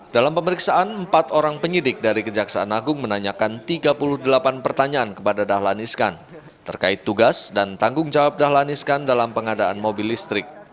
dalam pemeriksaan empat orang penyidik dari kejaksaan agung menanyakan tiga puluh delapan pertanyaan kepada dahlan iskan terkait tugas dan tanggung jawab dahlan iskan dalam pengadaan mobil listrik